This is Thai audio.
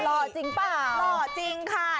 หล่อจริงเปล่าหล่อจริงค่ะ